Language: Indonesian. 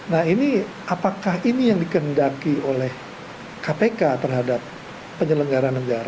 nah ini apakah ini yang dikendaki oleh kpk terhadap penyelenggara negara